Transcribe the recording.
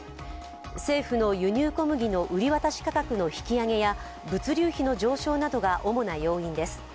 政府の輸入小麦の売り渡し価格の引き上げや物流費の上昇などが主な要因です。